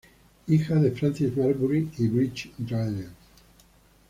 Hija de Francis Marbury y Bridget Dryden.